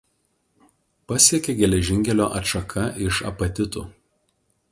Pasiekia geležinkelio atšaka iš Apatitų.